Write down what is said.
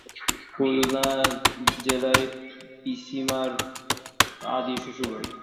খুলনা জেলায় পিসিমার আদি শ্বশুরবাড়ি।